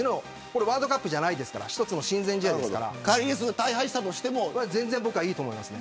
ワールドカップじゃなくて一つの親善試合ですから大敗したとしても僕はいいと思います。